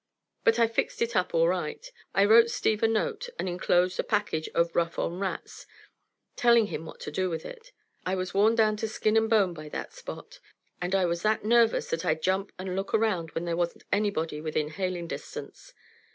But I fixed it up all right. I wrote Steve a note, and enclosed a package of "rough on rats," telling him what to do with it. I was worn down to skin and bone by that Spot, and I was that nervous that I'd jump and look around when there wasn't anybody within hailing distance.